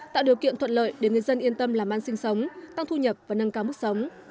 tạo điều kiện thuận lợi để người dân yên tâm làm ăn sinh sống tăng thu nhập và nâng cao mức sống